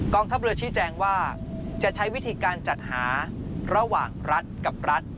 ทัพเรือชี้แจงว่าจะใช้วิธีการจัดหาระหว่างรัฐกับรัฐ